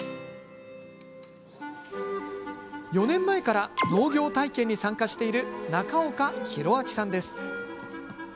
４年前から農業体験に参加している中岡宏彰さんです。